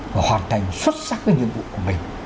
và hoàn thành xuất sắc cái nhiệm vụ của mình